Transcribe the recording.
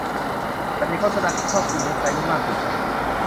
ฉันเห็นโฆษณาที่ครอบคลุมเว็บไซต์นี้มากเกินไป